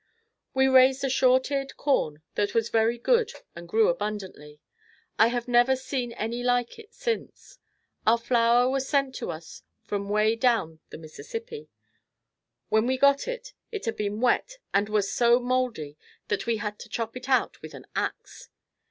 We raised a short eared corn, that was very good and grew abundantly. I have never seen any like it since. Our flour was sent to us from way down the Mississippi. When we got it, it had been wet and was so mouldy that we had to chop it out with an ax.